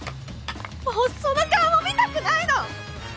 もうその顔も見たくないの！